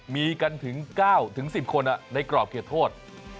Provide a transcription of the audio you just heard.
มีกันถึง๙๑๐คนในกรอบเขตโทษ